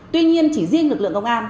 tuy nhiên chỉ riêng lực lượng công an